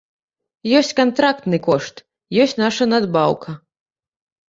Ёсць кантрактны кошт, ёсць наша надбаўка.